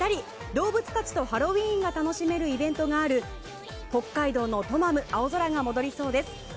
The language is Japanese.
動物たちとハロウィーンが楽しめるイベントがある北海道のトマム青空が戻りそうです。